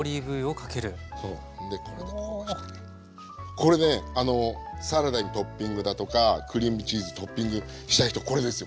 これねサラダにトッピングだとかクリームチーズトッピングしたい人これですよ